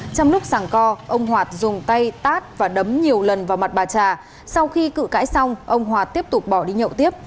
trong lúc sàng co ông hoạt dùng tay tát và đấm nhiều lần vào mặt bà trà sau khi cự cãi xong ông hòa tiếp tục bỏ đi nhậu tiếp